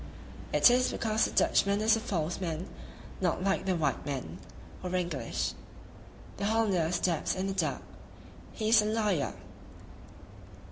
It is because the Dutchman is a false man, not like the white man [English]. The Hollander stabs in the dark; he is a liar!"